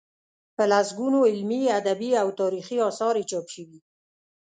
په لسګونو علمي، ادبي او تاریخي اثار یې چاپ شوي.